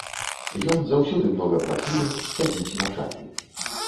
Ён заўсёды многа працуе, сядзіць начамі.